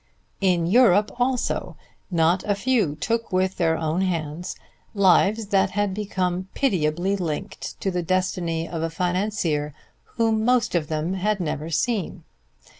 In Europe also not a few took with their own hands lives that had become pitiably linked to the destiny of a financier whom most of them had never seen.